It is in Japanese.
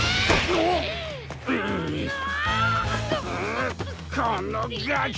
うこのガキ！